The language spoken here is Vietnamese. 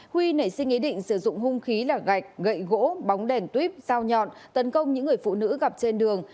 huy nảy sinh ý định sử dụng hung khí là gạch gậy gỗ bóng đèn tuyếp dao nhọn tấn công những người phụ nữ gặp trên đường